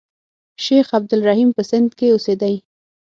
شیخ عبدالرحیم په سند کې اوسېدی.